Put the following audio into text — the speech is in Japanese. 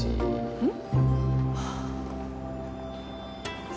うん？